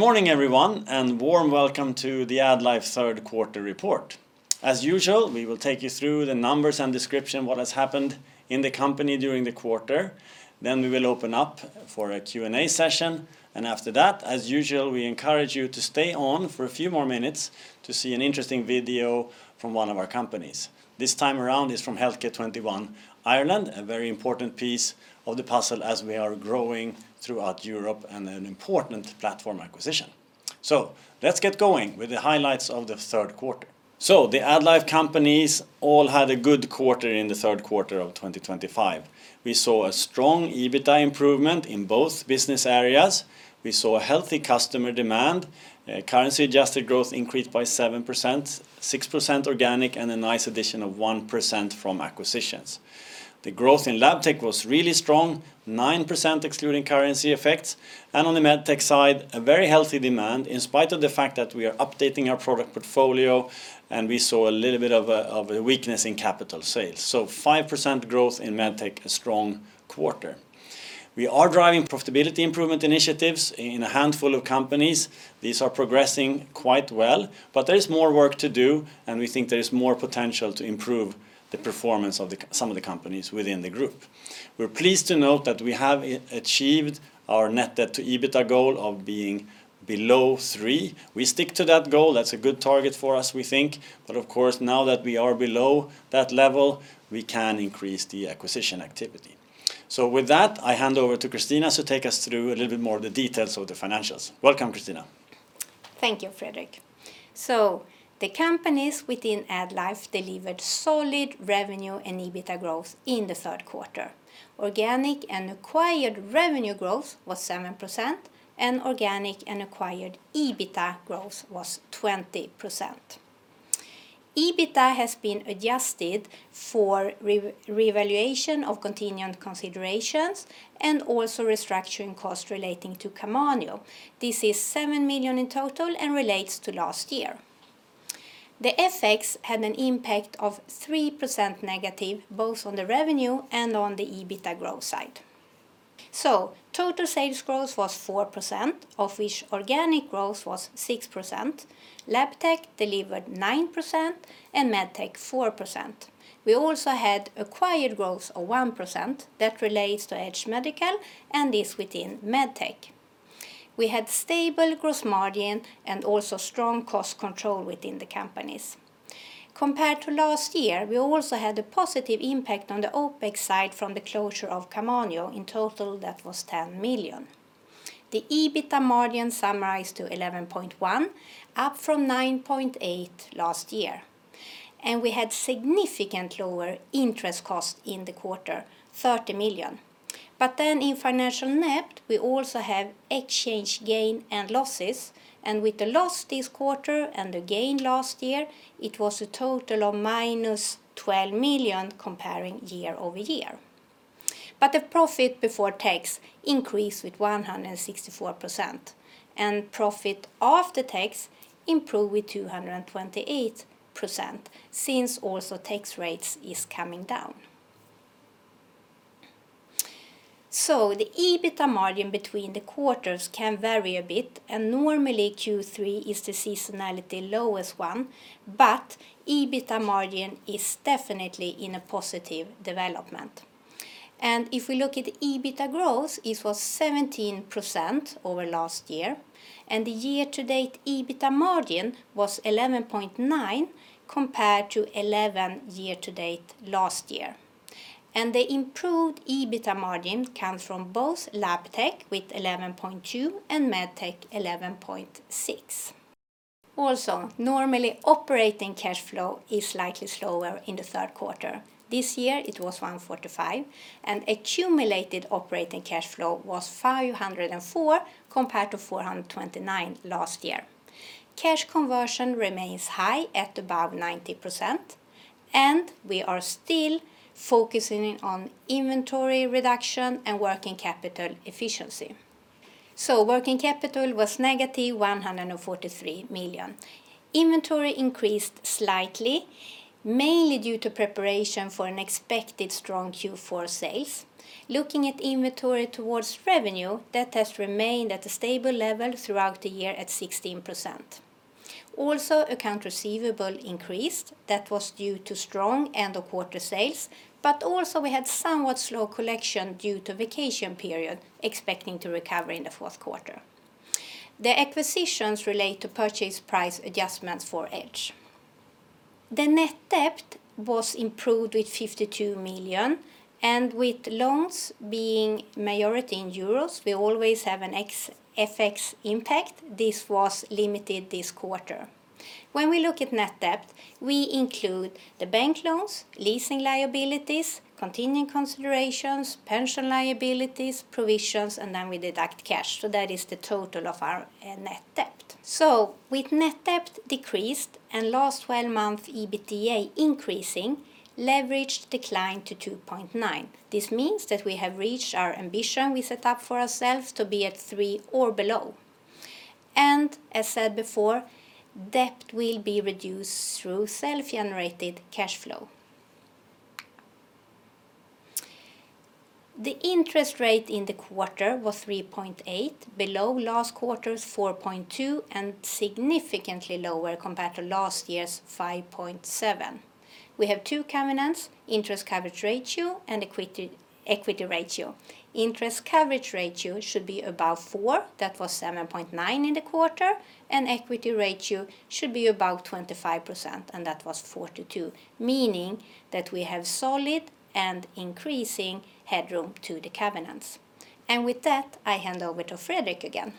Good morning, everyone, and warm welcome to the AddLife Q3 report. As usual, we will take you through the numbers and description of what has happened in the company during the quarter. Then we will open up for a Q&A session, and after that, as usual, we encourage you to stay on for a few more minutes to see an interesting video from one of our companies. This time around, it's from Healthcare 21 Ireland, a very important piece of the puzzle as we are growing throughout Europe and an important platform acquisition, so let's get going with the highlights of the third quarter, so the AddLife companies all had a good quarter in the Q3 of 2025. We saw a strong EBITDA improvement in both business areas. We saw healthy customer demand, currency-adjusted growth increased by 7%, 6% organic, and a nice addition of 1% from acquisitions. The growth in Labtech was really strong, 9% excluding currency effects. And on the Medtech side, a very healthy demand in spite of the fact that we are updating our product portfolio, and we saw a little bit of a weakness in capital sales. So 5% growth in Medtech, a strong quarter. We are driving profitability improvement initiatives in a handful of companies. These are progressing quite well, but there is more work to do, and we think there is more potential to improve the performance of some of the companies within the group. We're pleased to note that we have achieved our net debt to EBITDA goal of being below three. We stick to that goal. That's a good target for us, we think. But of course, now that we are below that level, we can increase the acquisition activity. So with that, I hand over to Christina to take us through a little bit more of the details of the financials. Welcome, Christina. Thank you, Fredrik. So the companies within AddLife delivered solid revenue and EBITDA growth in the third quarter. Organic and acquired revenue growth was 7%, and organic and acquired EBITDA growth was 20%. EBITDA has been adjusted for revaluation of contingent considerations and also restructuring costs relating to Camanio. This is 7 million in total and relates to last year. The effects had an impact of 3% negative both on the revenue and on the EBITDA growth side. So total sales growth was 4%, of which organic growth was 6%. Labtech delivered 9% and Medtech 4%. We also had acquired growth of 1% that relates to Edge Medical, and this within Medtech. We had stable gross margin and also strong cost control within the companies. Compared to last year, we also had a positive impact on the OpEx side from the closure of Camanio. In total, that was 10 million. The EBITDA margin summarized to 11.1%, up from 9.8% last year, and we had significantly lower interest costs in the quarter, 30 million, but then in financial net, we also have exchange gains and losses, and with the loss this quarter and the gain last year, it was a total of -12 million comparing year over year, but the profit before tax increased with 164%, and profit after tax improved with 228% since also tax rates are coming down, so the EBITDA margin between the quarters can vary a bit, and normally Q3 is the seasonally lowest one, but EBITDA margin is definitely in a positive development, and if we look at EBITDA growth, it was 17% over last year, and the year-to-date EBITDA margin was 11.9% compared to 11% year-to-date last year. And the improved EBITDA margin comes from both Labtech with 11.2 and Medtech 11.6. Also, normally operating cash flow is slightly slower in the third quarter. This year it was 145, and accumulated operating cash flow was 504 compared to 429 last year. Cash conversion remains high at above 90%, and we are still focusing on inventory reduction and working capital efficiency. So working capital was -143 million. Inventory increased slightly, mainly due to preparation for an expected strong Q4 sales. Looking at inventory towards revenue, that has remained at a stable level throughout the year at 16%. Also, accounts receivable increased. That was due to strong end-of-quarter sales, but also we had somewhat slow collection due to vacation period, expecting to recover in the fourth quarter. The acquisitions relate to purchase price adjustments for Edge. The net debt was improved with 52 million, and with loans being majority in euros, we always have an FX impact. This was limited this quarter. When we look at net debt, we include the bank loans, leasing liabilities, contingent considerations, pension liabilities, provisions, and then we deduct cash, so that is the total of our net debt, so with net debt decreased and last 12 months EBITDA increasing, leverage declined to 2.9. This means that we have reached our ambition we set up for ourselves to be at three or below. As said before, debt will be reduced through self-generated cash flow. The interest rate in the quarter was 3.8, below last quarter's 4.2 and significantly lower compared to last year's 5.7. We have two covenants: interest coverage ratio and equity ratio. Interest coverage ratio should be above four. That was 7.9 in the quarter, and equity ratio should be above 25%, and that was 42, meaning that we have solid and increasing headroom to the covenants, and with that, I hand over to Fredrik again.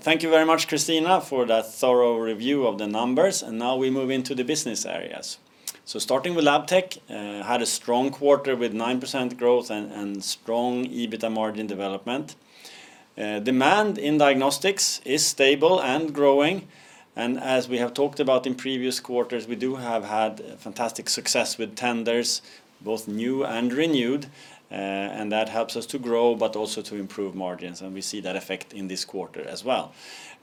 Thank you very much, Christina, for that thorough review of the numbers, and now we move into the business areas, so starting with Labtech, it had a strong quarter with 9% growth and strong EBITDA margin development. Demand in diagnostics is stable and growing, and as we have talked about in previous quarters, we do have had fantastic success with tenders, both new and renewed, and that helps us to grow, but also to improve margins, and we see that effect in this quarter as well.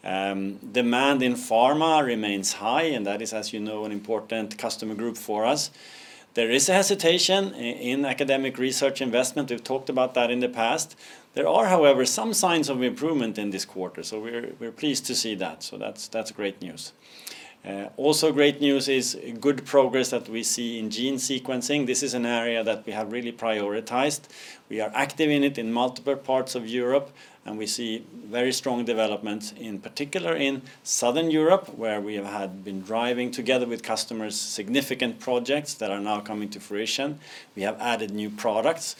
Demand in pharma remains high, and that is, as you know, an important customer group for us. There is a hesitation in academic research investment. We've talked about that in the past. There are, however, some signs of improvement in this quarter, so we're pleased to see that, so that's great news. Also, great news is good progress that we see in gene sequencing. This is an area that we have really prioritized. We are active in it in multiple parts of Europe, and we see very strong developments, in particular in Southern Europe, where we have been driving together with customers significant projects that are now coming to fruition. We have added new products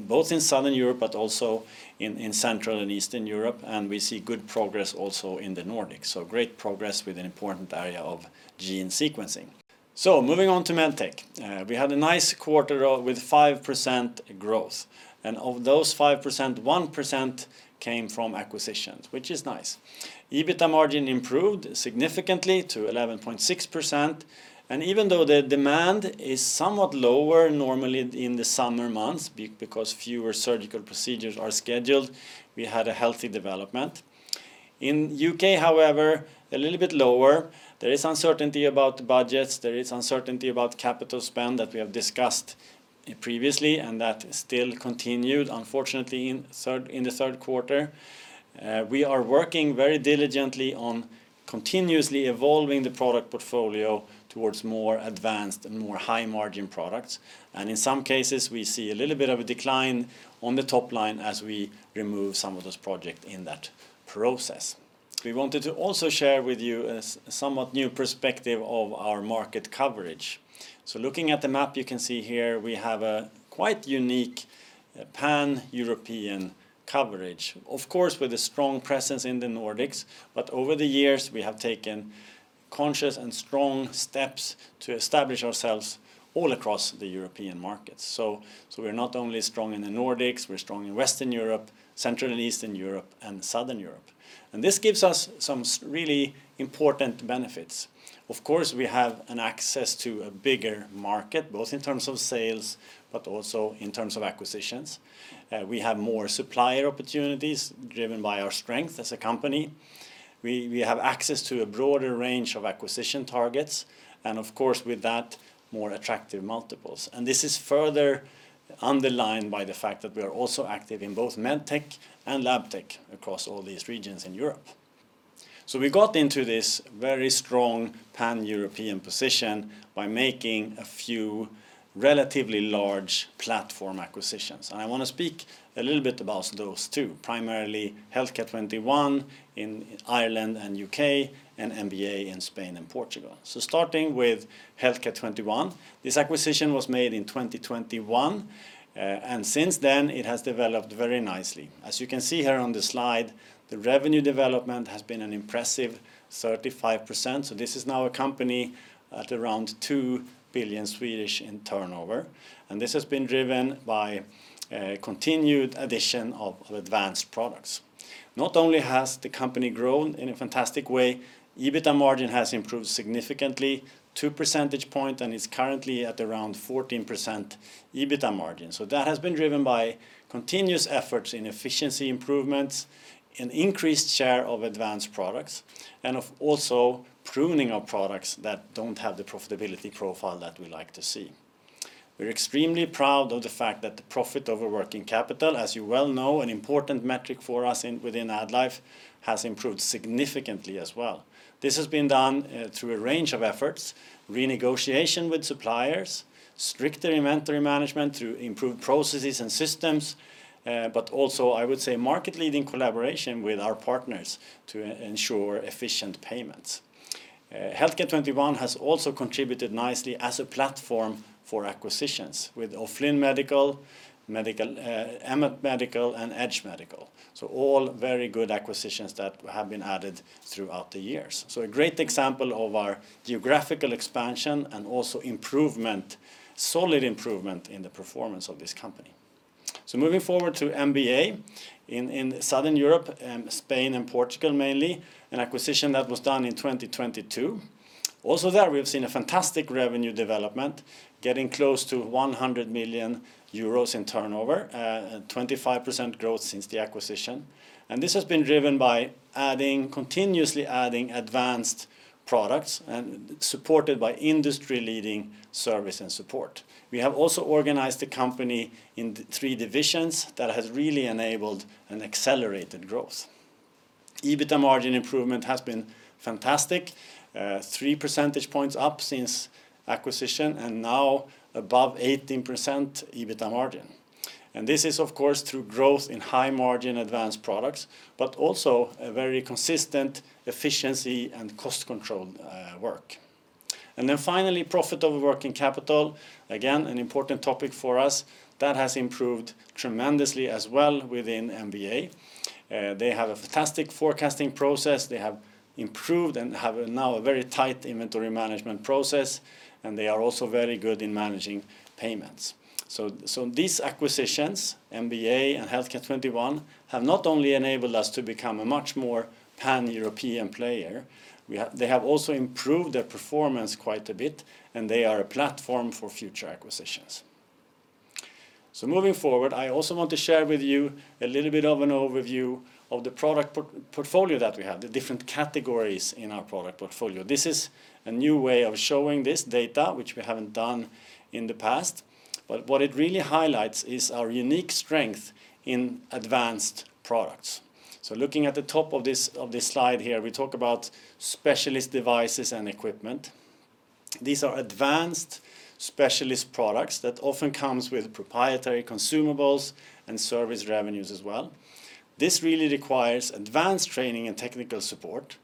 both in Southern Europe, but also in Central and Eastern Europe, and we see good progress also in the Nordics. So great progress with an important area of gene sequencing. So moving on to Medtech, we had a nice quarter with 5% growth. And of those 5%, 1% came from acquisitions, which is nice. EBITDA margin improved significantly to 11.6%. And even though the demand is somewhat lower normally in the summer months because fewer surgical procedures are scheduled, we had a healthy development. In the U.K., however, a little bit lower. There is uncertainty about budgets. There is uncertainty about capital spend that we have discussed previously, and that still continued, unfortunately, in the third quarter. We are working very diligently on continuously evolving the product portfolio towards more advanced and more high-margin products, and in some cases, we see a little bit of a decline on the top line as we remove some of those projects in that process. We wanted to also share with you a somewhat new perspective of our market coverage, so looking at the map you can see here, we have a quite unique pan-European coverage, of course, with a strong presence in the Nordics, but over the years, we have taken conscious and strong steps to establish ourselves all across the European markets. So we're not only strong in the Nordics, we're strong in Western Europe, Central and Eastern Europe, and Southern Europe, and this gives us some really important benefits. Of course, we have access to a bigger market, both in terms of sales but also in terms of acquisitions. We have more supplier opportunities driven by our strength as a company. We have access to a broader range of acquisition targets, and of course, with that, more attractive multiples, and this is further underlined by the fact that we are also active in both med tech and lab tech across all these regions in Europe, so we got into this very strong pan-European position by making a few relatively large platform acquisitions, and I want to speak a little bit about those two, primarily Healthcare 21 in Ireland and U.K., and MBA in Spain and Portugal. Starting with Healthcare 21, this acquisition was made in 2021, and since then, it has developed very nicely. As you can see here on the slide, the revenue development has been an impressive 35%. So this is now a company at around 2 billion in turnover. And this has been driven by continued addition of advanced products. Not only has the company grown in a fantastic way, EBITDA margin has improved significantly, 2 percentage points, and it's currently at around 14% EBITDA margin. So that has been driven by continuous efforts in efficiency improvements and increased share of advanced products, and also pruning of products that don't have the profitability profile that we like to see. We're extremely proud of the fact that the profit over working capital, as you well know, an important metric for us within AddLife, has improved significantly as well. This has been done through a range of efforts: renegotiation with suppliers, stricter inventory management through improved processes and systems, but also, I would say, market-leading collaboration with our partners to ensure efficient payments. Healthcare 21 has also contributed nicely as a platform for acquisitions with O'Flynn Medical, Amet Medical, and Edge Medical. So all very good acquisitions that have been added throughout the years. So a great example of our geographical expansion and also improvement, solid improvement in the performance of this company. So moving forward to MBA in Southern Europe, Spain, and Portugal mainly, an acquisition that was done in 2022. Also there, we've seen a fantastic revenue development, getting close to 100 million euros in turnover, 25% growth since the acquisition. And this has been driven by adding, continuously adding advanced products and supported by industry-leading service and support. We have also organized the company in three divisions that has really enabled an accelerated growth. EBITDA margin improvement has been fantastic, three percentage points up since acquisition, and now above 18% EBITDA margin, and this is, of course, through growth in high-margin advanced products, but also a very consistent efficiency and cost control work, and then finally, profit over working capital, again, an important topic for us that has improved tremendously as well within MBA. They have a fantastic forecasting process. They have improved and have now a very tight inventory management process, and they are also very good in managing payments, so these acquisitions, MBA and Healthcare 21, have not only enabled us to become a much more pan-European player, they have also improved their performance quite a bit, and they are a platform for future acquisitions. So moving forward, I also want to share with you a little bit of an overview of the product portfolio that we have, the different categories in our product portfolio. This is a new way of showing this data, which we haven't done in the past. But what it really highlights is our unique strength in advanced products. So looking at the top of this slide here, we talk about specialist devices and equipment. These are advanced specialist products that often come with proprietary consumables and service revenues as well. This really requires advanced training and technical support,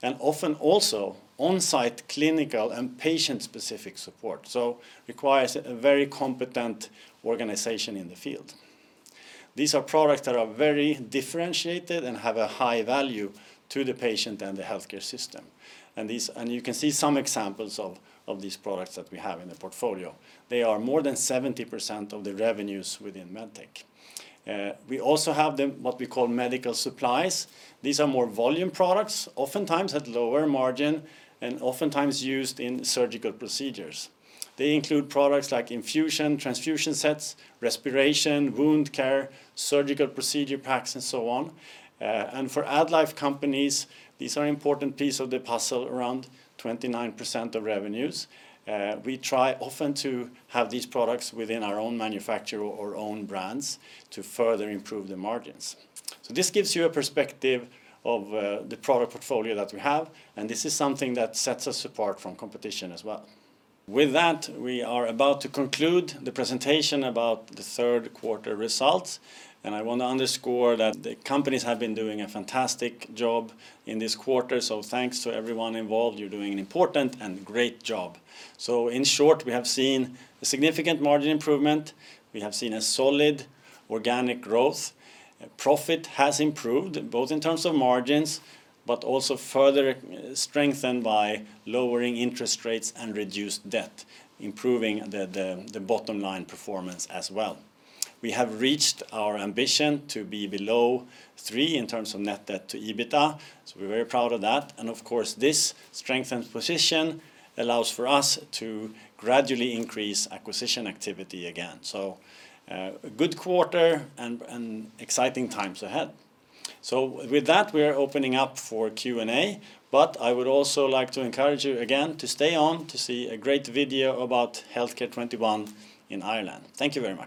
and often also on-site clinical and patient-specific support. So it requires a very competent organization in the field. These are products that are very differentiated and have a high value to the patient and the healthcare system. And you can see some examples of these products that we have in the portfolio. They are more than 70% of the revenues within MedTech. We also have what we call medical supplies. These are more volume products, oftentimes at lower margin and oftentimes used in surgical procedures. They include products like infusion, transfusion sets, respiration, wound care, surgical procedure packs, and so on, and for AdLife companies, these are an important piece of the puzzle around 29% of revenues. We try often to have these products within our own manufacturer or own brands to further improve the margins, so this gives you a perspective of the product portfolio that we have, and this is something that sets us apart from competition as well. With that, we are about to conclude the presentation about the third quarter results, and I want to underscore that the companies have been doing a fantastic job in this quarter, so thanks to everyone involved. You're doing an important and great job, so in short, we have seen a significant margin improvement. We have seen a solid organic growth. Profit has improved both in terms of margins, but also further strengthened by lowering interest rates and reduced debt, improving the bottom line performance as well. We have reached our ambition to be below three in terms of net debt to EBITDA, so we're very proud of that, and of course, this strengthened position allows for us to gradually increase acquisition activity again, so a good quarter and exciting times ahead, so with that, we are opening up for Q&A, but I would also like to encourage you again to stay on to see a great video about Healthcare 21 in Ireland. Thank you very much.